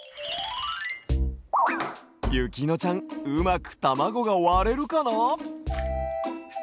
ゆきのちゃんうまくたまごがわれるかな？